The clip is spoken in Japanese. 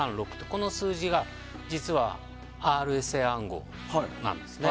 この数字が実はＲＳＡ暗号なんです。